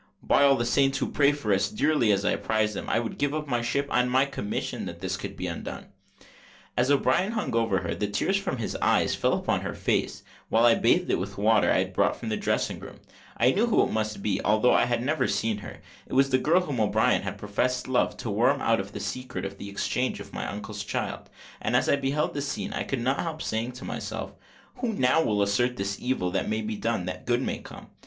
"By all the saints who pray for us dearly as I prize them, I would give up my ship and my commission, that this could be undone." As O'Brien hung over her, the tears from his eyes fell upon her face, while I bathed it with the water I had brought from the dressing room. I knew who it must be, although I had never seen her. It was the girl to whom O'Brien had professed love, to worm out the secret of the exchange of my uncle's child; and as I beheld the scene, I could not help saying to myself, "Who now will assert that evil may be done that good may come?"